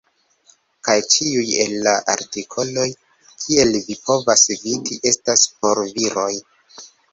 Kaj ĉiuj el la artikoloj, kiel vi povas vidi, estas por viroj.